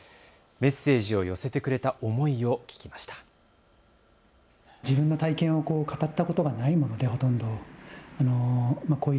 メッセージを寄せてくれた思いを聞きました。